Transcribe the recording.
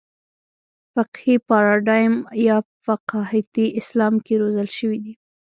فقهي پاراډایم یا فقاهتي اسلام کې روزل شوي دي.